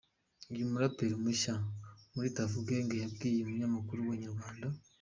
Uyu muraperi mushya muri Tuff Gangz yabwiye umunyamakuru wa Inyarwanda.